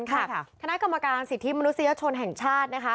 คณะกรรมการสิทธิมนุษยชนแห่งชาตินะคะ